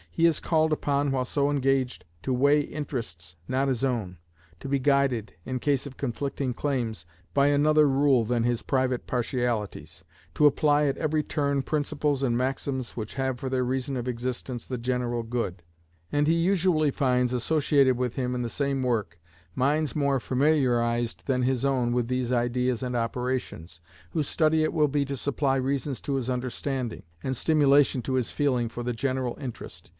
He is called upon, while so engaged, to weigh interests not his own; to be guided, in case of conflicting claims, by another rule than his private partialities; to apply, at every turn, principles and maxims which have for their reason of existence the general good; and he usually finds associated with him in the same work minds more familiarized than his own with these ideas and operations, whose study it will be to supply reasons to his understanding, and stimulation to his feeling for the general interest.